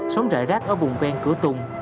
sống rải rác ở vùng ven cửa tùng